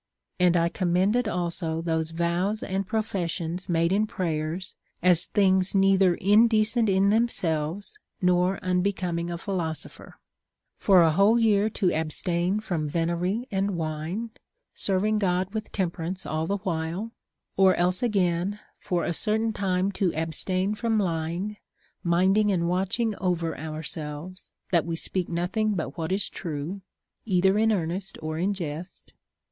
And ΐ commended also those vows and professions made in prayers, as things neither indecent in themselves nor unbecoming a philosopher, — for a whole year to abstain from venery and Avine, serving God with temperance all the while ; or else again, for a certain time to abstain from lying, minding and watching over ourselves, that we speak nothing but what is true, either in earnest or in jest.